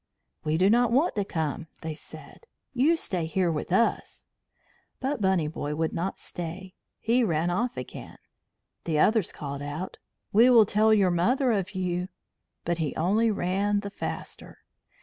"We do not want to come," they said. "You stay here with us." But Bunny Boy would not stay. He ran off again. The others called out: "We will tell your mother of you." But he only ran the faster.